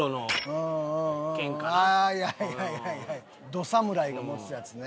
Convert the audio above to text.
ど侍が持つやつね。